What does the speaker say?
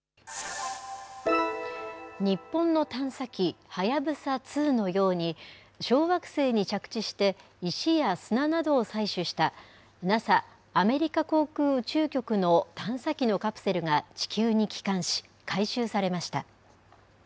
日本の探査機はやぶさ２のように、小惑星に着地して石や砂などを採取した、ＮＡＳＡ・アメリカ航空宇宙局の探査機のカプセルが地球に帰還し、回収されました。